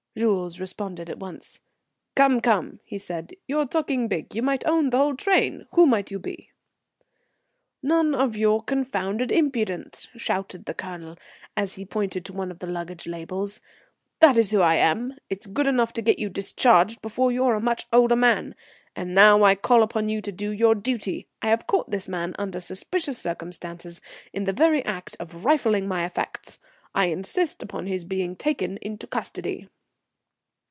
Jules responded at once. "Come, come," he said. "You're talking big. You might own the whole train. Who might you be?" "None of your confounded impudence," shouted the Colonel, as he pointed to one of the luggage labels. "That's who I am. It's good enough to get you discharged before you're a much older man. And now I call upon you to do your duty. I have caught this man under suspicious circumstances in the very act of rifling my effects. I insist upon his being taken into custody."